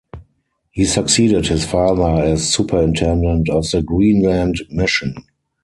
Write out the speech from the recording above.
He succeeded his father as superintendent of the Greenland mission.